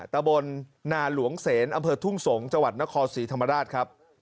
ตะบนนาหลวงเสนอำเภอทุ่งสงศ์จังหวัดนครศรีธรรมราชครับ